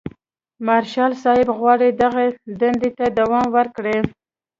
مارشال صاحب غواړي دغې دندې ته دوام ورکړي.